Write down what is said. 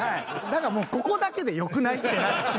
だからもうここだけでよくない？って。